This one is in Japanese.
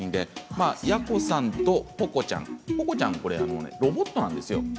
ヤコちゃんとポコちゃんポコちゃんはロボットなんです。